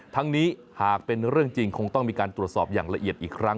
ทั้งนี้หากเป็นเรื่องจริงคงต้องมีการตรวจสอบอย่างละเอียดอีกครั้ง